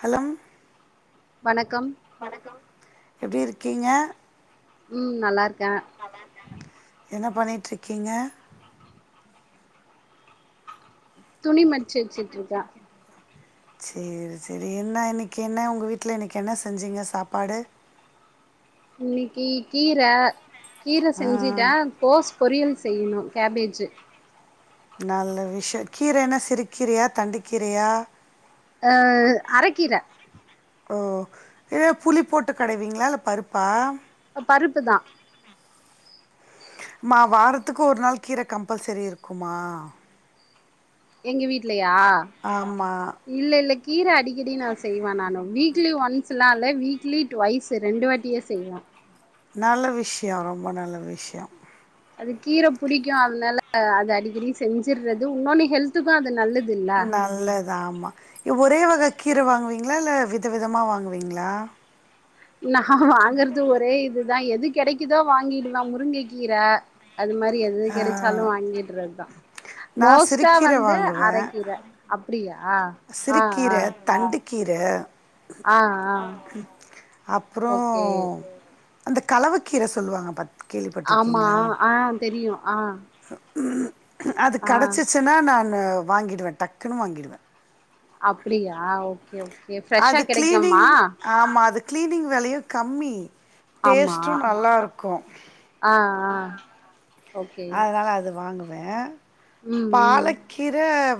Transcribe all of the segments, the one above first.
ஹலம் வணக்கம் எப்டி இருக்கீங்க ம் நல்லாருக்க என்ன பண்ணிட்றிக்கீங்க துணி மச்சு வச்சிட்ருக்க செர் செரி என்ன இன்னைக் என்ன உங்க வீட்ல இன்னைக்கி என்ன செஞ்சிங்க சாப்பாடு இன்னிக்கி கீர கீர ஆ செஞ்ஜிட கோஸ் பொரியல் செய்யணு கேபேஜு நல்ல விஷ்யோ கீரன்னா சிறுக்கீரயா தண்டுக்கீரயா ஆ அரக்கீர ஓ இதே புளி போட்டு கடைவீங்ளா இல்ல பருப்பா பருப்பு தா மா வாரத்துக்கு ஒரு நாள் கீர கம்பல்சரி இருக்குமா எங்க வீட்லயா ஆமா இல்ல இல்ல கீர அடிக்கடி நா செய்வ நானு வீக்லி ஒன்ஸ்ல்லா இல்ல வீக்லி டுவைய்ஸு ரெண்டு வாட்டியே செய்வ நல்ல விஷ்யோ ரொம்ப நல்ல விஷ்யோ அது கீர புடிக்கூ அத்னால அது அடிக்கடி செஞ்ஜிறது உன்னொனு ஹெல்த் த்துக்கு அது நல்லதில் நல்லதாமா இ ஒரே வக கீர வாங்வீங்களா இல்ல வித விதமா வாங்வீங்ளா நா வாங்கறது ஒரே இதுதா எது கெடைகுதோ வாங்கிடுவ முருங்க கீர அது மாரி எது கெடச்சாலு ஆ வாங்கிட்றதுதா நான் மோஸ்டா சிறுக்கீரை வந்து அரக்கீர அப்டியா ஆ சிறுகீர ஆ தண்டுக்கீர ஆ ஆ அப்றோ ஓகே அந்த கலவக்கீர சொல்லுவாங்க பாத்தி ஆமா ஆ தெரியு ஆ அது ஆ கடச்சிச்சினா நானு வாங்கிடுவே டக்குனு வாங்கிடுவே அப்டியா ஓகே ஓகே ஃப்ரெஷ்ஷா கெடைக்கும்மா ஆமா அது க்ளீனிங் வேலயு கம்மி டேஸ்ட்டூ நல்லாருக்கூ அ ஆ ஓகே அதுனால அது வாங்குவே ம் ம் பாலக் கீர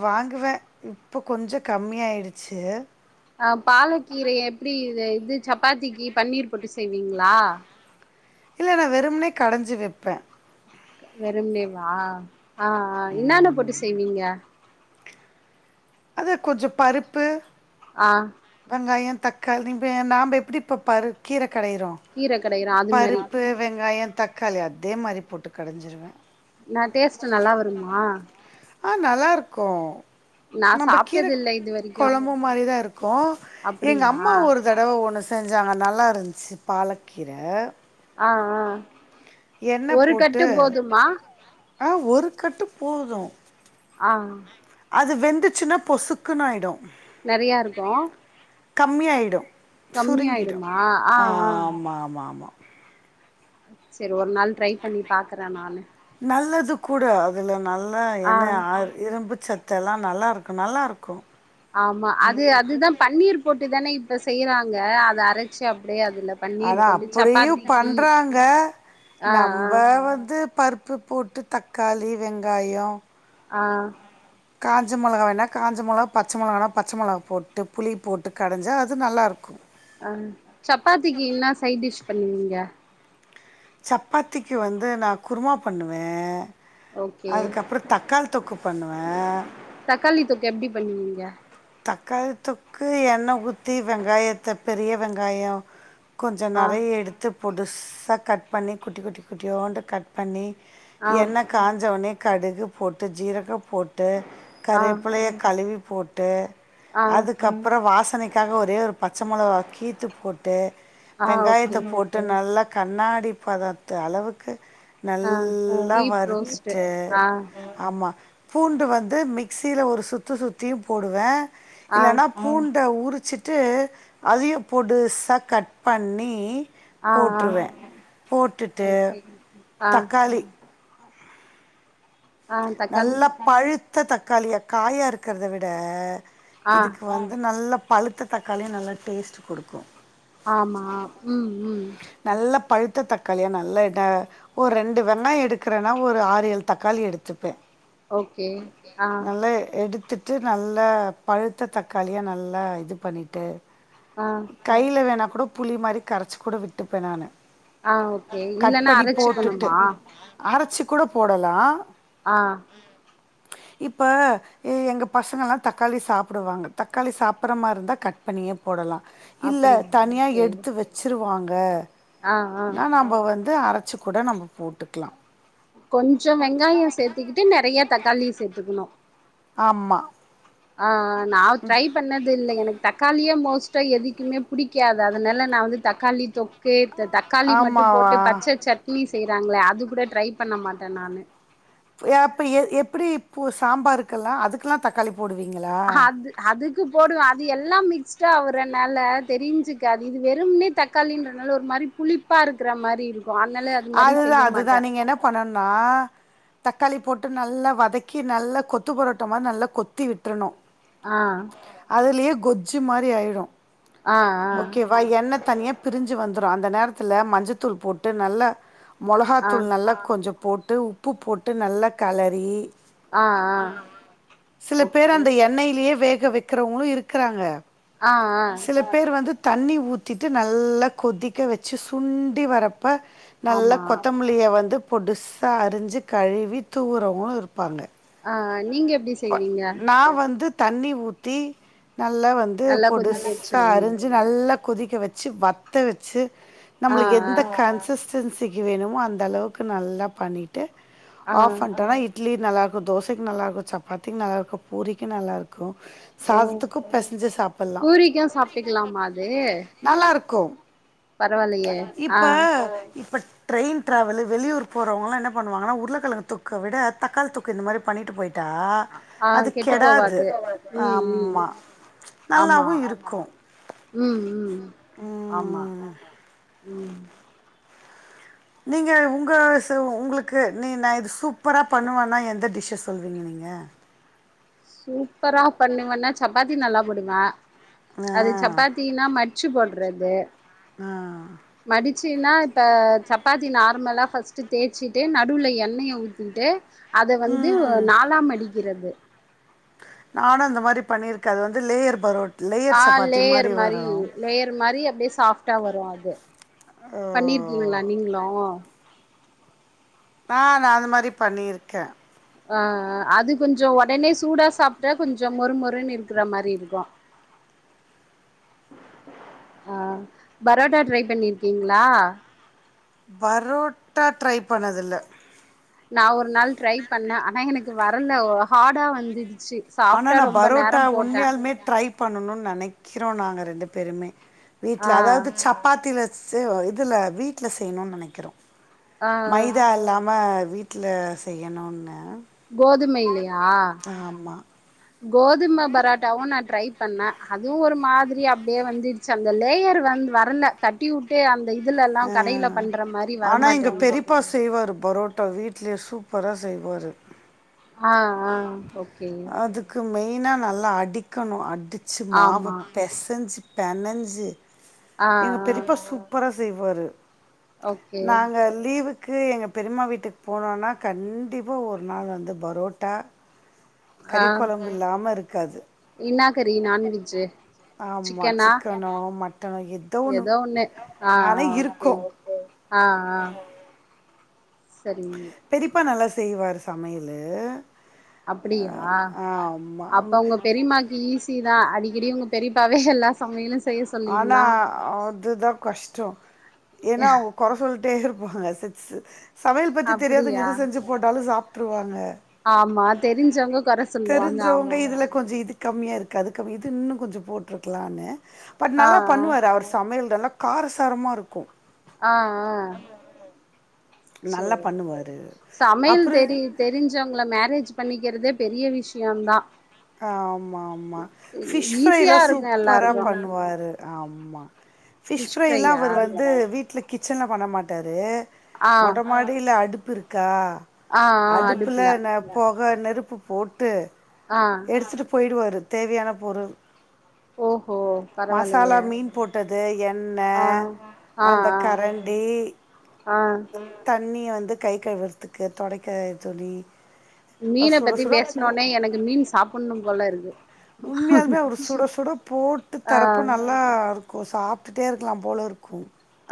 வாங்குவ இப்போ கொஞ்சோ கம்மியாயிடுச்சு அ பாலக்கீரய எப்டி இது சப்பாத்திக்கி பன்னீர் போட்டு செய்வீங்ளா இல்ல நா வெறும்னே கடைஞ்சி வெப்பே வெறும்னேவா ஆ ஆ இன்னென்ன போட்டு செய்வீங்க அதா கொஞ்சோ பருப்பு ஆ வெங்காயோ தக்காளி இப்ப நாம்ப எப்டி இப்போ பரு கீர கடயிறோ கீர கடையிற அது மாரி பருப்பு வெங்காயோ தக்காளி அதே மாரி போட்டு கடஞ்சிருவே நா டேஸ்ட் நல்லா வருமா ஆ நல்லாருக்கூ நா நம்ப கீர சாப்ட்டது இல்ல இது வரைக்கு கொழம்பு மாரிதா இருக்கூ எங்க அப்டியா அம்மா ஒரு ஒரு தடவ ஒண்ணு செஞ்சாங்க நல்லா இருந்ச்சு பாலக்கீர ஆ ஆ எண்ணெ ஒரு போட்டு கட்டு போதுமா ஆ ஒரு கட்டு போது ஆ அது வெந்துச்சுனா பொசுக்குன்னு ஆயிடு நெறையா இருக்கூ கம்மியாய்டு சுருங்கிடு கம்மியாயிடுமா ஆ ஆ ஆமா ஆமா ஆமா செரி ஒரு நாள் ட்ரை பண்ணி பாக்குறே நானு நல்லது கூடொ அதுல நல்லா ஆ என்னய ஆறு இரும்பு சத்தெல்லா நல்லாருக்கு நல்லாருக்கு ஆமா அது அதுதா பன்னீர் போட்டு தான இப்ப செய்யுறாங்க அத அரைச்சு அப்டியே அதுல பன்னீர் அதா போட்டு அப்டியு சப்பாத்திக்கு பண்றாங்க ஆ ஆ நம்ப வந்து பருப்பு போட்டு தக்காளி வெங்காயோ ஆ காஞ்ச மொளகா வேணா காஞ்ச மொளாகா பச்ச மொளகானா பச்ச மொளகா போட்டு புளி போட்டு கடஞ்சாஅது நல்லா இருக்கு அ சப்பாத்திக்கு இன்னா சை டிஷ் பண்ணுவீங்க சப்பாத்திக்கு வந்து நா குருமா பண்ணுவே ஓகே அதுக்கப்புற தக்காளி தொக்கு பண்ணுவே தக்காளி தொக்கு எப்டி பண்ணுவீங்க தக்காளி தொக்கு எண்ணெ ஊத்தி வெங்காயத்த பெரிய வெங்காயோ கொஞ்சோ ஆ நெறையா எடுத்து பொடுசா கட் பண்ணி குட்டி குட்டி குட்டியோண்டு கட் பண்ணி ஆ எண்ணெ காஞ்ச ஒன்னே கடுகு போட்டு ஜீரகோ போட்டு ஆ கருவேப்பலய கழுவி போட்டு ஆ அதுக்கப்றோ வாசனைக் காக ஒரே ஒரு பச்ச மொளகா கீத்து போட்டு ஆ வெங்காயத்த ஓகே போட் ட்டு நல்லா கண்ணாடி பதத்து அளவுக்கு ஆ நல்லா டீப் ரோஸ்ட்டு வருத்துட்டு ஆ ஆமா பூண்டு வந்து மிக்சில ஒரு சுத்து சுத்தியு போடுவே ஆ இல்லனா பூண்ட உரிச்சிட்டு அதயு பொடுசா கட் பண்ணி ஆ ஆ போட்ருவே போட்டுட்டு ஓகே ஆ தக்காளி ஆ தக்காளி நல்லா பழுத்த தக்காளியா காயா இருக்குறத விட ஆ இதுக்கு வந்து நல்ல பழுத்த தக்காளியு நல்லா டேஸ்ட்டு குடுக்கு ஆமா ம் ம் நல்ல பழுத்த தக்காளியா நல்ல டா ஒரு ரெண்டு வெங்காயோ எடுக்குறேன்னா ஒரு ஆறு எழு தக்காளி எடுத்துப்பே ஓகே ஆ நல்லா எடுத் துட்டு நல்லா பழுத்த தக்காளியா நல்லா இது பண்ணிட்டு ம் கையில வேணா கூட புளி மாரி கரச்சு கூட விட்டுப்பே நானு ஆ ஓகே கட் இல்லன்னா பண்ணி போட்டுட்டு அரச்சிக்கணுமா அரைச்சு கூட போடலா ஆ ம் இப்ப ஏ எங்க பசங்கல்லா தக்காளி சாப்புடுவாங்க தக்காளி சாப்புட்ற மாரி இருந்தா கட் பண்ணியே போடலா இல்ல அப்டியா தனியா ஓகே எடுத்து வெச்சுருவாங்க ஆ ஆ னா நம்ம வந்து அரச்சு கூட நம்ம போட்டுக்கலா கொஞ்சோ வெங்காயோ சேத்துக்கிட்டு நெறையா தக்காளி சேத்துக்குனோ ஆம்மா ஆ அ நா ட்ரை பண்ணது இல்ல எனக்கு தக்காளியே மோஸ்ட்டா எதிக்குமே பிடிக்காது அதனால நா வந்து தக்காளி தொக் கே இந்த தக்காளி மட்டு ஆமாவா போட்டு பச்ச சட்னி செய்றாங்களே அது கூட ட்ரை பண்ண மாட்டே நானு ய இப்போ எ எப்புடி பு சாம்பாருக்கெல்லா அதுக்கெலா தக்காளி போடுவீங்கலா அது அதுக்கு போடுவே அது எல்லா மிக்ஸ்டாவுரனால தெரிஞ்சுக்காது இது வெறும்னே தக் காளின்றதுனால ஒரு மாரி புளிப்பா இருக்கிற மாரி இருக்கு அன்னால அதுதா அதுதா நீங்க என்ன பண்ணணுணா தக்காளி போட்டு நல்லா வதக்கி நல்லா கொத்து பரோட்டோ மாரி நல்லா கொத்தி விட்டுரனு ஆ அதுலியே கொஜ்ஜு மாரி ஆய்டு ஆ ஆ வ எண்ணெத் தனியாப் பிரிஞ்சு வந்துரு அந்த நேரத்துல மஞ்சத்தூள் போட்டு நல்லா ஆ மொளகாத்தூள் நல்லா கொஞ்சோப் போட்டு உப்பு போட்டு நல்லாக் கலறி ஆ ஆ சிலப் ஓகே பேர் அந்த எண்ணெலியே வேக வெக்கிறவுங்ளு இருக்றாங்க ஆ ஆ பேர் வந்துத் தண்ணி ஊத்திட்டு நல்லாக் கொதிக்க வச்சு சுண்டி வரப்ப ஆமா நல்லாக் கொத்தமிலிய வந்து பொடுசா அரிஞ்சிக் கழுவி தூவுறவுங்ளு இருப்பாங்க ஆ ஆ நீங்க எப் ப நா வந்து தண்ணி ஊத்தி நல்ல வந் து நல்லா கொதிக்க பொடுசா வச்சிருவீங்க அரிஞ்சு நல்லாக் கொதிக்க வெச்சு வத்த வெச்சு ஆ நம்ளுக் ஆ எந்தக் கன்சிஸ் சென்சிகி வேணுமோ அந்த அளவுக்கு நல்லாப் பண்ணிட்டு ஆ ஆஃப் பண்ட்டோனா இட் ட்லி நல்லாக்கு தோசைக் நல்லாக்கு சப்பாத்திக் நல்லாக்கு பூரிக்கு நல்லாருக்கு ஓ சாதத்துக்கும் பெசஞ்சு சாப்பல்லா பூரிக்கு சாப்ட்டுக்கலாமா அது நல்லாருக்கு பரவாயில்லையே ஆ இப்ப இப்பட் ட்ரெயின் டிராவலு வெளியூருப் போறவங்லா என்னப் பண்ணுவாங்கனா உருளகெழங்கு தொக்க விட தக்காளித் தொக்கு இந்த மாரி பண்ணிட்டு போயிட் டா ஆ அது கெட்டு கெடாது போவாது ம் ம் ஆம்மா ஆமா நல்லாவு இருக்கு ம் ம் ஆமா ம் ம் நீங்க உங்க ச உ உங்ளுக்கு நீ நா இது சூப்பராப் பண்ணுவனா எந்த டிஷ்ச சொல்வீங்க நீங்க சூப்பராப் பண்ணுவன்னா சப்பாத்தி நல்லா போடுவே ஆ அது சப்பாத் தீனா மட்சி போட்றது ஆ மடிச்சினா இப்ப சப்பாத்தி நார்மலா ஃபர்ஸ்ட்டு தேச்சிட்டு நடுவுல எண்ணெய ஊத்திட்டு அத வந்து அ ம் நாலா மடிக்கிறது நானு அந்த மாரி பண்ணிருக்கே அது வந்து லேயர் பரோட் ஆ லேயர் சப்பாத்தி லேயர் மாரி வரு லேயர் மாரி அப்டியே சாஃப்ட் டா வரு அது ஓ பண்ணிர்கீங்ளா நீங்ளு ஆ நா அந்த மாரிப் பண்ணிருக்கே ஆ ஆ அது கொஞ்சோ ஒடனே சூடா சாப்ட்டா கொஞ்சோ மொறுமொறுனு இருக்கறா மாரி இருக்கு ஆ பரோட்டா ட்ரைப் பண்ணிருக்கீங்ளா பரோட்டா ட்ரைப் பண்ணதில்ல நா ஒரு நாள் ட்ரைப் பண்ணே ஆனா எனக்கு வரல ஒ ஹார்டா வந்துடுச்சி ஆனா நா பரோட்டா உண்மையால்மே ட்ரைப் பண்ணணுன் நெனைக்றோ நாங்க ரெண்டு பேருமே வீட்ல ஆ அதாவ்து சப்பாத்தில சேவா இதுல வீட்ல செய்ணுன் நெனைக்றோ ஆ மைதா இல்லாம வீட் ட்ல செய்யணுன்னு கோதுமைலியா கோதும பரோட்டாவு நா ட்ரைப் பண்ணே அதுவு ஒரு மாதிரி அப்டியே வந்துடுச்சு அந்த லேயர் வந் வர்ல தட்டி உட்டே அந்த இதுலல்லா கடைலப் பண்ற மாரி வரமாட்டேன்து அப்பா செய்வாரு பரோட் டா வீட்லியே சூப்பரா செய்வாரு ஆ ஆ இப்ப அதுக்கு மெயினா நல்லா அடிக்கணு அடிச்சு மாவ ஆமா பெசஞ்சு பெனஞ்சு ஆ எங்க ஆ பெரிப்பா சூப்பரா செய்வாரு ஓகே நாங்க லீவு க்கு எங்க பெரிமா வீட்டுக்கு போனோன்னா கண்டிப்பா ஒரு நாள் வந்து பரோட்டா கறி கொழம்பு இல்லாம இருக்காது இன்னா கறி நான்வெஜ்ஜூ ஆமாம் சிக்கனா சிக்கனோ மட்டனோ ஏதோ ஒன்று எதோ ஒண்ணு ஆ ஆ ஆனால் ஓகே இருக்கும் ஆ ஆ செரி பெரிப்பா நல்லா செய்வாரு சமையலு அப்டியா அப்ப உங்க ஆமாம் பெரிமா க்கு ஈஸிதா அடிக்கடி உங்க பெரிப்பாவே எல்லா சமையலு செய்ய ஆனா சொல்லிட்லா அதுதா கஷ்டோ ஏனா கொற சொல்ட்டே இருப்பாங்க சிர்சு சமையல் பத்தி தெரியாதுங்க அப்டியா எது செஞ்சு போட்டாலு சாப்ட்டுருவாங்க ஆமா தெரிஞ்சவங்க கொற சொல்லுவாங்க தெரிஞ்சவங்க ஆமா இதுல கொஞ்சோ இது கம்மியா இருக்கு அது கம்மி இது இன்னு கொஞ்சோ போட்ருக்குலான்னு பட் ஆ ஆ நல்லா பண்ணுவாரு அவர் சமையல் நல்லா காரசாரமா இருக்கு அ அ நல்லா சேரி பண்ணுவாரு சமையல் அப்றோ தெரியு தெரிஞ்சு சவுங்கள மேரேஜ் பண்ணிக்கிறதே பெரிய விஷயந்தா ஆமா ஆமா ஃபிஷ் ஈஸியா ஃப்ரைலா இருக்கு சூப்பரா எல்லாருக்கு பண்ணுவாரு ஆம்மா ஃபிஷ் ஃப்ரைல்லா அவர் வந்து வீட்ல கிச்சன்ல பண்ண மாட்டாரு ஆ மொட்ட மாடில அடுப்பு இருக்கா ஆ ஆ அடுப்புல ந பொக நெருப்பு போட்டு ஆ வஸ்ட்டு போயிடுவாரு தேவையான பொருள் ஓஹோ பரவாயில்லையே மசாலா மீன் போட்டது எண்ண ஆ ஆ அந்த ஆ கரண் டி ஆ தண்ணி வந்து கை கழுவுறதுக்கு தொடைக்க துணி அஹ் மீன சுட பத்தி சுட போ பேசுனோனே எனக்கு மீன் சாப்புணு போல இருக்கு உண்மையாலுமே அவரு சுட சுட போட்டு ஆ தரப்ப நல்லா ருக்கு சாப்டுட்டே இருக்கலா போல இருக்கு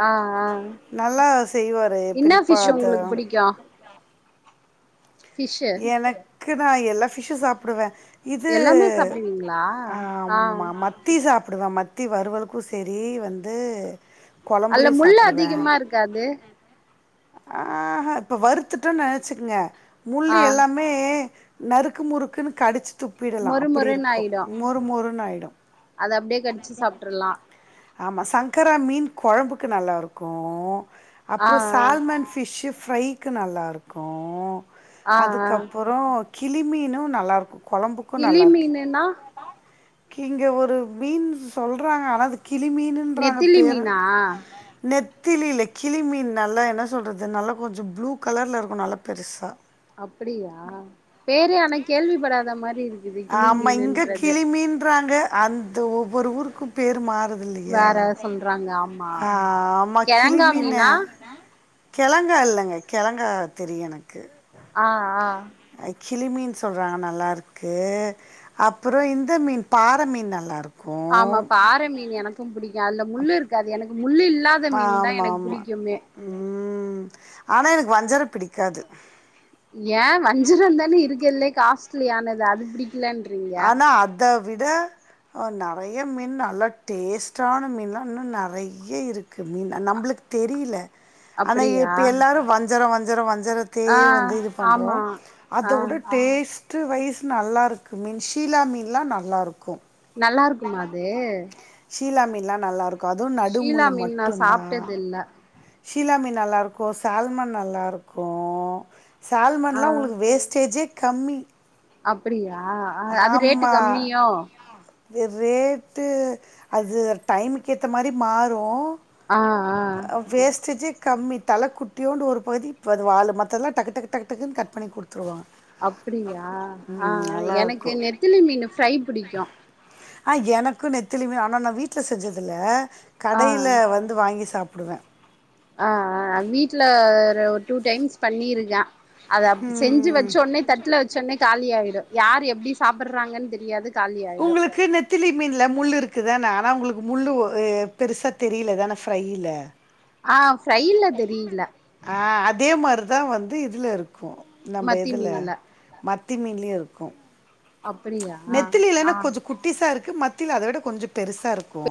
ஆ ஆ நல்லா செய்வாரு என்ன பெரிப்பா ஃபிஷ் அத உங்களுக்கு புடிக்கு ஃபிஷ்ஷு எனக்கு நா எல்லா ஃபிஷ்ஷு சாப்பிடுவே இது எல்லாமே சாப்டுவீங்களா ஆ ஆமா மத் த்தி சாப்டுவே மத்தி வறுவலுக்கு செரி வந்து கொழம்புலையு சாப்டுவே கது அ ஹ இப்ப வறுத்துட்டன் நெனச்சுக்கங்க முள்ளு ஆ எல்லாம் மே நறுக்கு முறுக்குன்னு கடிச்சி துப்பிடலா மொறு அப்பிடி மொறுன்னு இருக்கு ஆயிடு மொறு மொறுன்னு ஆயிடு அத அப்டியே கடிச்சி சாப்ட்ரல்லா ஆமா சங்கரா மீன் கொழம்புக்கு நல்லாருக்கு ஆ அப்புற ஆ சால்மன் ஃபிஷ்ஷு ஃப்ரைக்கு நல்லாருக்கு ஆ ஆ அதுக்கப்புற கிளிமீனும் நல்லார்க்கு கொழம்புக்கும் கிளி நல்லார்க்கு மீனுன்னா கிங்க ஒரு மீன் சொல்றாங்க ஆனா அது கிளி மீனு ன்றாங்க நெத்திலி பேரு மீனா நெத்திலில்ல கிளி மீன் நல்லா என்ன சொல்றது நல்லா கொஞ்ச ப்ளூ கலர்ல இருக்கு நல்லா பெருசா அப்டியா பேரே ஆனா கேள்வி படாத மாரிருக் ஆமா இங்க கிளிமீன்றாங்க அந்த ஒவ்வொரு ஊருக்கு பேரு மாறுது இல்லியா வேற சொல்றாங்க ஆமா அ ஆமா கிளி கெழங்கா மீனு மீனா கெழங்கா இல்லங்க கெழங்கா தெரியு எனக்கு அ அ அ கிளிமீன் சொல்றாங்க நல்லாருக்கு அப்புற இந்த மீன் பாற மீன் நல்லாருக் ஆமா பாற மீன் எனக்கும் புடிக்கு அதுல முள்ளு இருக்காது எனக்கு முள்ளு இல் ல்லாத மீன்தா எனக் புடிக்குமே ம் ஆனா எனக்கு வஞ்சர பிடிக்காது ஏ வஞ்சிரந்தானே இருக்கர்லே காஸ்ட்லியானது அது பிடிக்கலேன்றி ஆனா அத விட அ நறைய மீன் நல்லா டேஸ்ட்டான மீன்லா இன்னு நெறைய இருக் க்கு மீன் நம்ப்ளுக் தெரியில ஆனா அப்படியா இப்ப எல்லாரு வஞ்சர வஞ்சர வஞ்சரத் தே ஆ வந்து இது பண்றோ ஆமா ஆ அத உட டேஸ் டு வஸ் நல்லாருக்கு மீன் ஷீலா மீன்லா நல்லாருக்கு நல்லாருக்குமா அது ஷீலா மீன்லா நல்லாருக்கு அதுவு ஷீலா நடுமுள்ளு மீன் நா மட்டுந்தா சாப்ட்டது இல்ல ஷீலாமீன் நல்லாருக்கு சால்மன் நல்லாருக்கு ஆ சால்மன்லா உங்குளுக் வேஸ்டேஜே கம்மி அப்பிடியா அது ரேட்டு கம்மியோ து ரேட்டு அது டைமுக்கு ஏத்த மாரி மாறு அ அ அ வேஸ்டேஜே கம்மி தல குட்டியூண்டு ஒரு பகுதி இப்ப அது வாலு மத்தல்லா டக்குடக்டக்டக்குனு கட் பண்ணி குடுத் துவா அப்பிடியா அ அ எனக்கு நெத்திலி மீனு ஃப்ரை பிடிக்கு அ எனக்கு நெத்திலிமீன் ஆனா நா வீட்ல செஞ்சதில ஆ ஆ கடைல வந்து வாங்கி சாப்புடுவே அ அ வீட்ல ஒரு டூ டைம்ஸ் பண்ணியிருக்கா அத அப் செஞ்சு ம் வச்சோன்னே தட்ல வச்சோன்னே காலியாயிடு யார் எப்டி சாப்புட்றாங்கன் தெரியாது காலி ஆயிடு உங்குளுக்கு நெத் திலி மீன்ல முள்ளு இருக்குதான ஆனா உங்களுக்கு முள்ளு பெருசா தெரிலதான ஃப்ரையில அ ஃப்ரையில தெரியில அ அதே மார்தா வந்து இதுல இருக்கு நம்ப மத்தி இதுல மீன்ல மத்தி மீன்லியு இருக்கு அப்பிடியா அ ட்டிஸா இருக்கு மத்தியில அத விட கொஞ்ச பெருசா இருக்கு